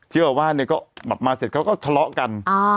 ชิวาว่าเนี่ยก็มาเสร็จเขาก็ทะเลาะกัน